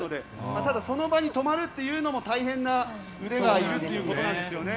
ただ、その場に止まるというのも大変な腕がいるということなんですよね。